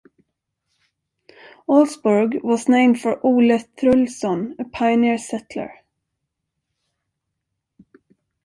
Olsburg was named for Ole Thrulson, a pioneer settler.